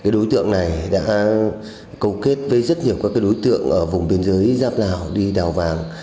đối tượng này đã câu kết với rất nhiều các đối tượng ở vùng biên giới giáp lào đi đào vàng